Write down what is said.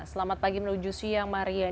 selamat pagi menuju siang maria